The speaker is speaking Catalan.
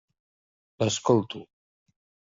L'escolto.